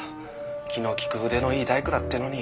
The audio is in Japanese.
気の利く腕のいい大工だってのに。